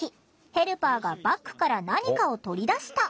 ヘルパーがバッグから何かを取り出した。